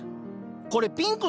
これピンクの花？